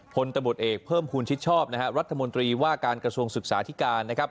ผลตำรวจเอกเพิ่มภูมิชิดชอบนะฮะรัฐมนตรีว่าการกระทรวงศึกษาธิการนะครับ